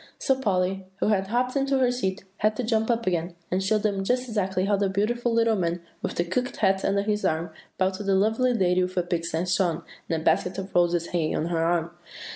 So Polly, who had hopped into her seat, had to jump up again, and show them just exactly how the beautiful little man, with the cocked hat under his arm, bowed to the lovely lady with a pink sash on, and a basket of roses hanging on her arm.